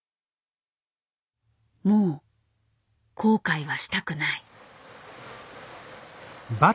もう後悔はしたくない。